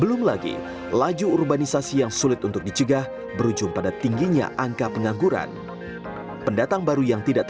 belum lagi laju urbanisasi yang sulit untuk dicegah berujung pada tingginya angka pengangguran